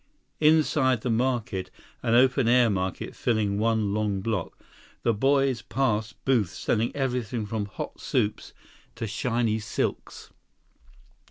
Inside the market, an open air market filling one long block, the boys passed booths selling everything from hot soups to shiny silks.